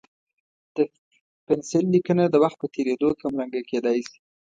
د پنسل لیکنه د وخت په تېرېدو کمرنګه کېدای شي.